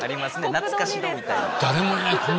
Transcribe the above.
懐かしのみたいな。